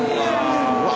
うわ！